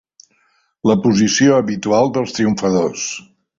La posició habitual dels triomfadors.